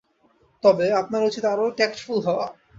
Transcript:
তবে, আপনার উচিত আরো ট্যাক্টফুল হওয়া।